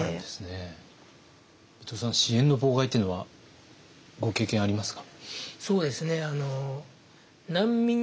伊藤さん支援の妨害っていうのはご経験ありますか？